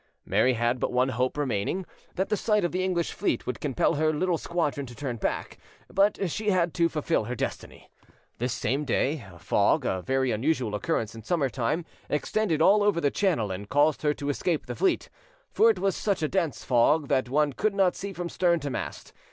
Mary had but one hope remaining, that the sight of the English fleet would compel her little squadron to turn back; but she had to fulfil her destiny. This same day, a fog, a very unusual occurrence in summer time, extended all over the Channel, and caused her to escape the fleet; for it was such a dense fog that one could not see from stern to mast.